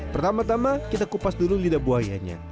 pertama tama kita kupas dulu lidah buayanya